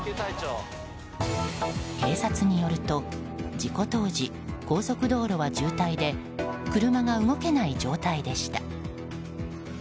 警察によると事故当時、高速道路は渋滞で車が動けない状態でした。